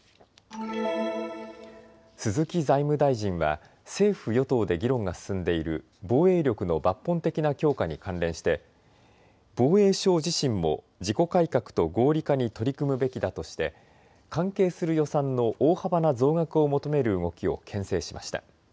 鈴木財務大臣は政府与党で議論が進んでいる防衛力の抜本的な強化に関連して防衛省自身も自己改革と合理化に取り組むべきだとして関係する予算の大幅な増額を求める動きをけん制しました。